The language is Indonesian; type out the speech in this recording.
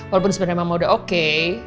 walaupun sebenarnya memang udah oke